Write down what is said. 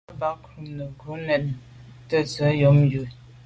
Á cúp mbɑ̄ rə̌ nə̀ rə̀ nǔ nə̄ tsə́’də́ nyɔ̌ŋ bú.